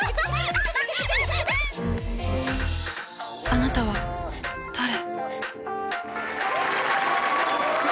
「あなたは誰？」。